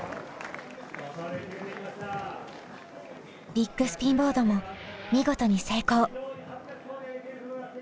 ビッグスピンボードも見事に成功。